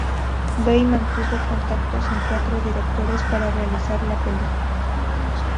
Bell mantuvo contactos con cuatro directores para realizar la película.